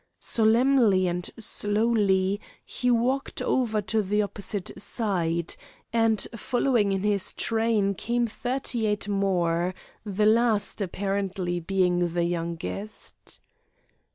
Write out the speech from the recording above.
Solemnly and slowly he walked over to the opposite side, and following in his train came thirty eight more, the last apparently being the youngest.